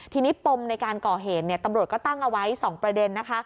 ทีนี้ปมในการก่อเหตุตำรวจก็ตั้งเอาไว้๒ประเด็นนะคะ